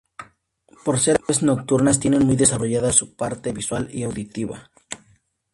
Por ser aves nocturnas tienen muy desarrollada su parte visual y auditiva.